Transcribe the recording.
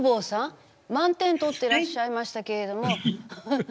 満点取ってらっしゃいましたけれども。